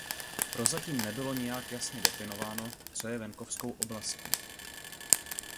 Prozatím nebylo nijak jasně definováno, co je venkovskou oblastí.